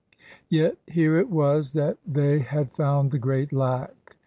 Yet here it was that they had found the great lack.